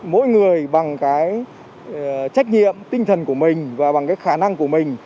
mỗi người bằng cái trách nhiệm tinh thần của mình và bằng cái khả năng của mình